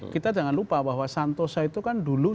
kita jangan lupa bahwa santoso itu kan dulu